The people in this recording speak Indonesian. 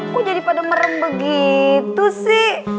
kok jadi pada merembe begitu sih